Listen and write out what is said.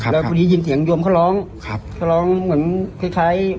ครับครับแล้วพอดียินเสียงโยมเขาร้องครับเขาร้องเหมือนคล้ายคล้าย